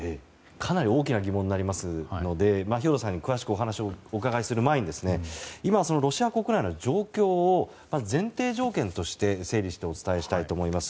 かなり大きな疑問になりますので兵頭さんに詳しくお話をお伺いする前に今、ロシア国内の状況を前提条件として整理してお伝えしたいと思います。